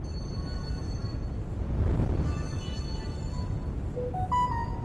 Algunos colonos levantaron postes de la libertad en su propia tierra privada.